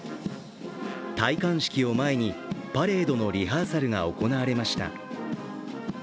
戴冠式を前に、パレードのリハーサルが行われました。